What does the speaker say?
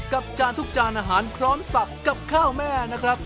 จานทุกจานอาหารพร้อมสับกับข้าวแม่นะครับ